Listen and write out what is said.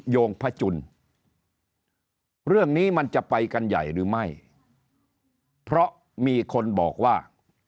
โยงพระจุลเรื่องนี้มันจะไปกันใหญ่หรือไม่เพราะมีคนบอกว่า